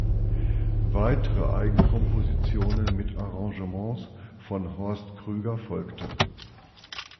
Weitere Eigenkompositionen mit Arrangements von Horst Krüger folgten.